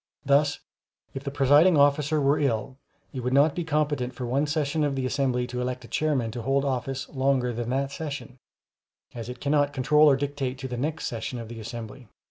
Thus, if the presiding officer were ill, it would not be competent for one session of the assembly to elect a chairman to hold office longer than that session, as it cannot control or dictate to the next session of the assembly.